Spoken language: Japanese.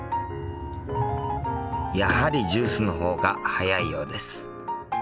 やはりジュースの方が速いようです。